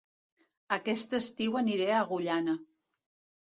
Aquest estiu aniré a Agullana